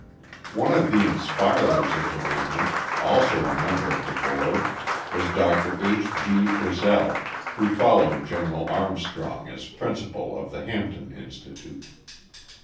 One of the inspirers of the movement, also a member of the board, was Dr. H. B. Frissell, who followed General Armstrong as principal of Hampton Institute.